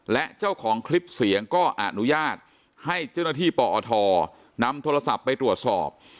และเจ้าของคลิปเสียงก็อนุญาตให้เจ้าหน้าที่ปอทนำโทรศัพท์ไปตรวจสอบ